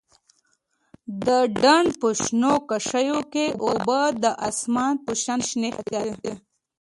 د ډنډ په شنو کاشيو کښې اوبه د اسمان په شان شنې ښکارېدې.